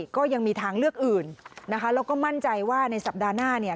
ก็ยังมีทางเลือกอื่นนะคะแล้วก็มั่นใจว่าในสัปดาห์หน้าเนี่ย